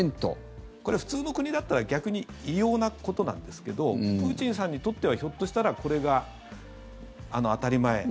これ、普通の国だったら逆に異様なことなんですけどプーチンさんにとってはひょっとしたらこれが当たり前。